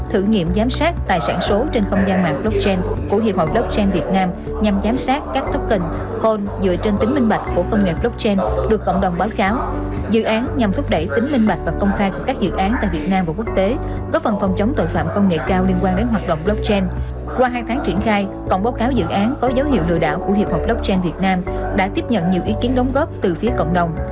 hiệp hội blockchain việt nam đã tiếp nhận nhiều ý kiến đóng góp từ phía cộng đồng